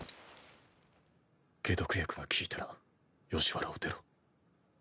解毒薬が効いたら吉原を出ろ。